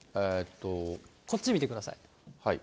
こっち見てください。